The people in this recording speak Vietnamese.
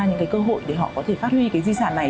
những cái cơ hội để họ có thể phát huy cái di sản này